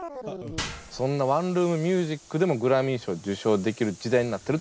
そんなワンルーム☆ミュージックでもグラミー賞を受賞できる時代になってるってことですね。